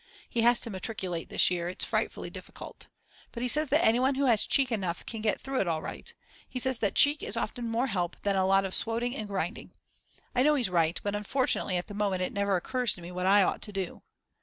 He has to matriculate this year, it's frightfully difficult. But he says that anyone who has cheek enough can get through all right. He says that cheek is often more help than a lot of swoting and grinding. I know he's right; but unfortunately at the moment it never occurs to me what I ought to do.